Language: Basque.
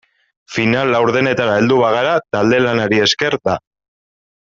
Final laurdenetara heldu bagara talde-lanari esker da.